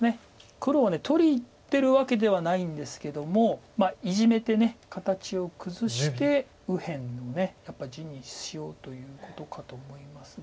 黒は取りにいってるわけではないんですけどもイジメて形を崩して右辺をやっぱ地にしようということかと思いますが。